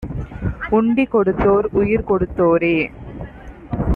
உண்டி கொடுத்தோர் உயிர் கொடுத்தோரே